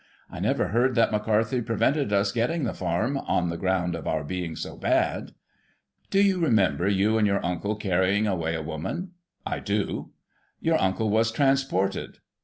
I never heard that McCarthy prevented us getting the farm, on the ground of our being so bad. Do you remember you and your imcle carrying away a woman? — I do. Your imcle was transported